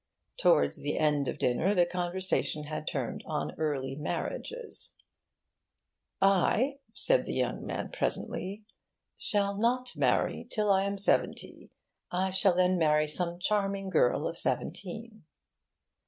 Towards the end of dinner the conversation had turned on early marriages. 'I,' said the young man presently, 'shall not marry till I am seventy. I shall then marry some charming girl of seventeen.